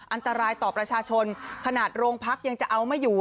อันตรายต่อประชาชนขนาดโรงพักยังจะเอาไม่อยู่